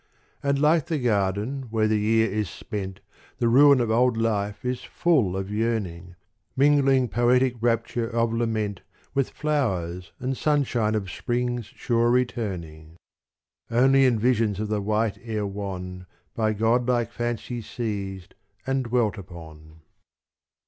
And like the garden where the year is spent, The ruin of old life is full of yearning. Mingling poetic rapture of lament With flowers and sunshine of spring's sure returning Only in visions of the white air wan By godlike fancy seized and dwelt upon.